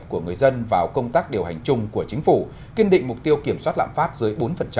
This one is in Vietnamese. của người dân vào công tác điều hành chung của chính phủ kiên định mục tiêu kiểm soát lạm phát dưới bốn